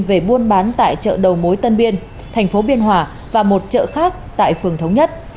về buôn bán tại chợ đầu mối tân biên thành phố biên hòa và một chợ khác tại phường thống nhất